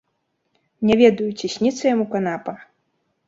Не ведаю, ці сніцца яму канапа?